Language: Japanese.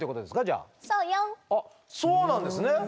あっそうなんですね。